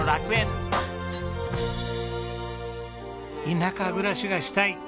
田舎暮らしがしたい！